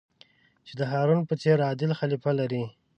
چې د هارون په څېر عادل خلیفه لرئ.